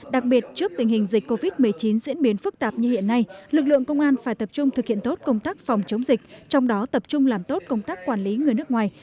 đặc biệt trước tình hình dịch covid một mươi chín diễn biến phức tạp như hiện nay lực lượng công an phải tập trung thực hiện tốt công tác phòng chống dịch trong đó tập trung làm tốt công tác quản lý người nước ngoài